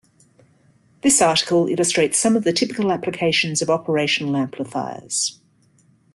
This article illustrates some typical applications of operational amplifiers.